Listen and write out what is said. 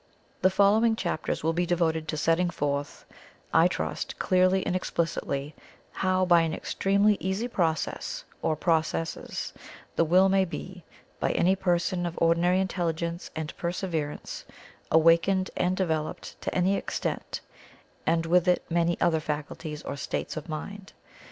The following chapters will be devoted to setting forth, I trust clearly and explicitly, how by an extremely easy process, or processes, the will may be, by any person of ordinary intelligence and perseverance, awakened and developed to any extent, and with it many other faculties or states of mind.